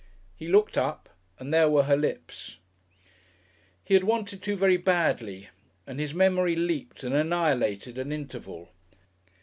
He looked up and there were her lips. He had wanted to very badly, and his memory leaped and annihilated an interval.